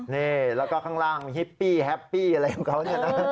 นี่แล้วก็ข้างล่างฮิปปี้แฮปปี้อะไรของเขาเนี่ยนะ